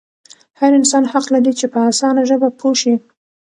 هر انسان حق لري چې په اسانه ژبه پوه شي.